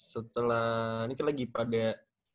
setelah ini kan lagi pada